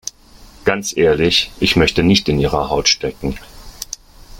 Ganz ehrlich, ich möchte nicht in ihrer Haut stecken.